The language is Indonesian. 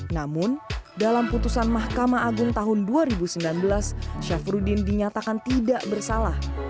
namun dalam putusan mahkamah agung tahun dua ribu sembilan belas syafruddin dinyatakan tidak bersalah